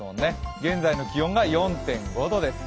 現在の気温が４．５度です。